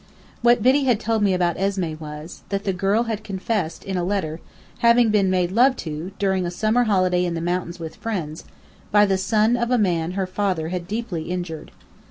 What Biddy had told me about Esmé was, that the girl had confessed, in a letter, having been made love to (during a summer holiday in the mountains with friends) by the son of a man her father had deeply injured.